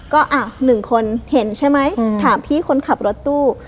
ก็อ่ะหนึ่งคนเห็นใช่ไหมถามพี่คนขับรถตู้